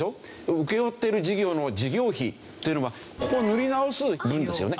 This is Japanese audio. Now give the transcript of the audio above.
請け負ってる事業の事業費というのはここを塗り直す分ですよね。